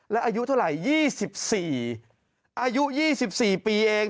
และอายุเท่าไหร่๒๔อายุ๒๔ปีเอง